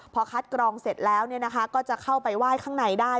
พอคัดกรองเสร็จแล้วก็จะเข้าไปไหว้ข้างในได้